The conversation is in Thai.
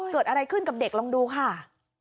เกิดอะไรขึ้นกับเด็กลองดูค่ะ